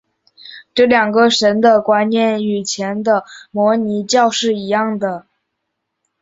这两个神的观念与以前的摩尼教是一样的。